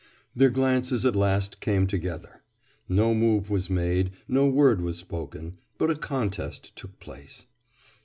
Their glances at last came together. No move was made; no word was spoken. But a contest took place.